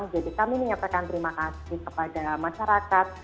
jadi kami menyampaikan terima kasih kepada masyarakat